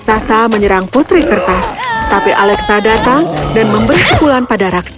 sasa menyerang putri kertas tapi alexa datang dan memberi pukulan pada raksasa